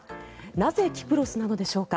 なぜキプロスなのでしょうか。